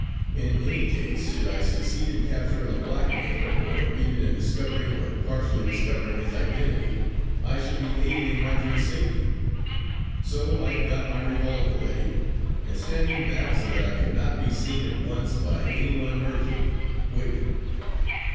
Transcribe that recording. In any case should I succeed in capturing a blackmailer, or even in discovering or partially discovering his identity, I should be aiding in Marjory's safety. So I got my revolver ready; and standing back so that I could not be seen at once by any one emerging, waited.